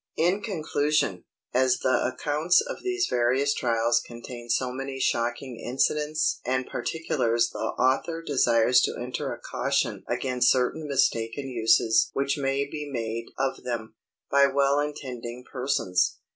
In conclusion, as the accounts of these various trials contain so many shocking incidents and particulars the author desires to enter a caution against certain mistaken uses which may be made of them, by well intending persons.